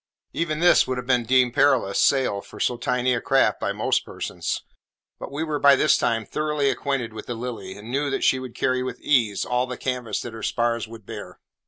Even this would have been deemed perilous sail for so tiny a craft by most persons; but we were by this time thoroughly acquainted with the Lily, and knew that she would carry with ease all the canvas that her spars would bear.